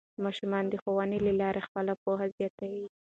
ماشومان د ښوونې له لارې خپله پوهه زیاتوي